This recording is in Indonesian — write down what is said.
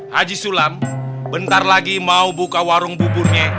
haji sulam bentar lagi mau buka warung buburnya